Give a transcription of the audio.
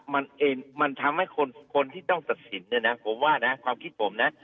มันทำให้คนที่ต้องตัดสินเนี่ยนะผมว่านะความคิดผมนะ